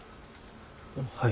はい。